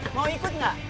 mau ikut gak